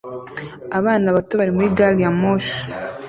Abana bato bari muri gari ya moshi